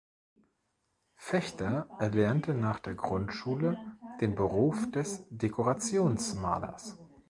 Fechter erlernte nach der Grundschule den Beruf des Dekorationsmalers.